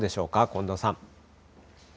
近藤さん。